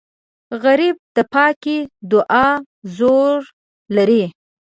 غریب د پاکې دعا زور لري